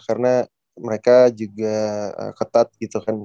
karena mereka juga ketat gitu kan